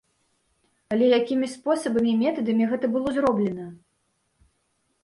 Але якімі спосабамі і метадамі гэта было зроблена?